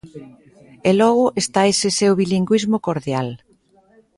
E logo está ese seu bilingüismo cordial.